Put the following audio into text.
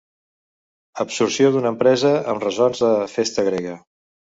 Absorció d'una empresa amb ressons de festa grega.